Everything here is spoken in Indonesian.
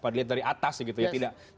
dilihat dari atas gitu ya